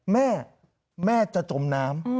แม่แม่จะจมน้ำ